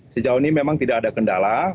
sejauh ini memang tidak ada kendala